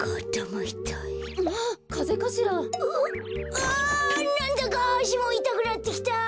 あなんだかあしもいたくなってきた！